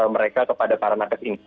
mereka kepada para narkotik